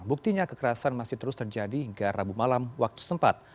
buktinya kekerasan masih terus terjadi hingga rabu malam waktu setempat